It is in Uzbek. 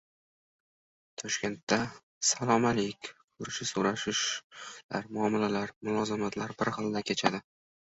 Toshkentda… salom-alik, ko‘rishish-so‘rashishlar, muomalalar, mulozamatlar… bir xil kechadi!